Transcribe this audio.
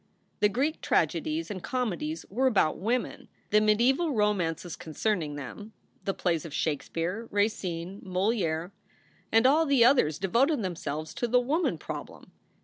The Greek tragedies and comedies were about women. The mediaeval romances concerning them, the plays of Shakespeare, Racine, Moli&re, and all the others devoted themselves to the woman prob lem.